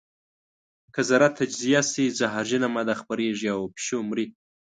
که ذره تجزیه شي زهرجنه ماده خپرېږي او پیشو مري.